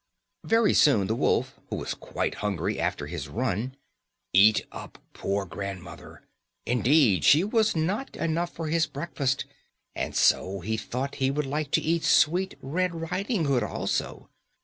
_ Very soon the wolf, who was quite hungry after his run, eat up poor grandmother. Indeed, she was not enough for his breakfast, and so he thought he would like to eat sweet Red Riding Hood also.